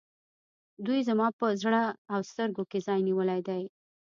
دوی زما په زړه او سترګو کې ځای نیولی دی.